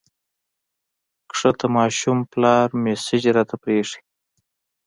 د ښکته ماشوم پلار مسېج راته پرېښی